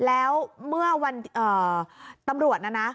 แล้วเมื่อวันตำรวจนะนะ